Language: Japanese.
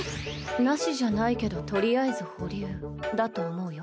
「なしじゃないけどとりあえず保留」だと思うよ。